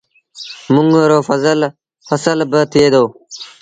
منڱ رو ڦسل با ٿئي دو